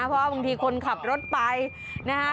เพราะว่าบางทีคนขับรถไปนะฮะ